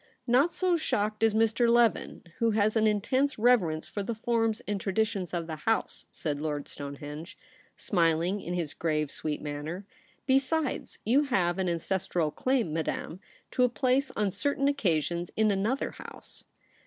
* Not so shocked as ]Mr. Leven, who has an intense reverence for the forms and tradi tions of the House,' said Lord Stonehenge, smiling in his grave, sweet manner. ' Besides, you have an ancestral claim, Madame, to a place on certain occasions in another House.'